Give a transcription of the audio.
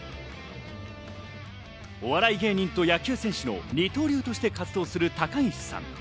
お笑い芸人と野球選手の二刀流として活動する高岸さん。